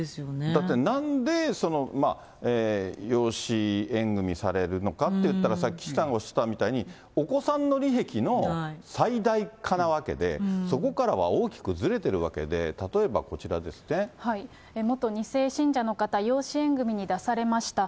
だってなんで養子縁組されるのかっていったら、さっき岸さんがおっしゃったみたいに、お子さんの利益の最大化なわけで、そこからは大きくずれているわけ元２世信者の方、養子縁組に出されました。